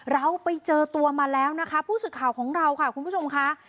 เราไปเจอตัวมาแล้วนะคะผู้สื่อข่าวของเราค่ะคุณผู้ชมค่ะ